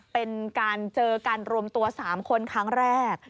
เป็นการเจอกันรวมตัว๓คนครั้งแรก